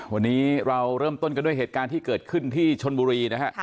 วันนี้เราเริ่มต้นกันด้วยเหตุการณ์ที่เกิดขึ้นที่ชนบุรีนะฮะ